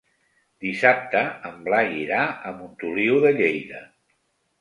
Dissabte en Blai irà a Montoliu de Lleida.